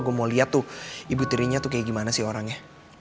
gue mau lihat tuh ibu tirinya tuh kayak gimana sih orangnya